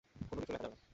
কোনো কিছু লেখা যাবে না।